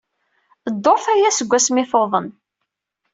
Dduṛt aya seg wasmi ay tuḍen.